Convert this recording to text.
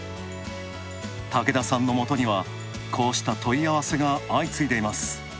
竹田さんのもとには、こうした問い合わせが相次いでいます。